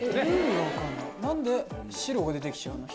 何で白が出て来ちゃうの？